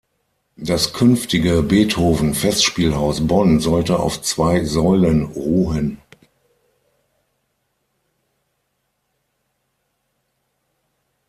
Das künftige Beethoven Festspielhaus Bonn sollte auf zwei Säulen ruhen.